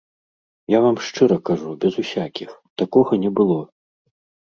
Я вам шчыра кажу, без усякіх, такога не было.